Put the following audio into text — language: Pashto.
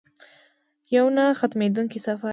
یو نه ختمیدونکی سفر.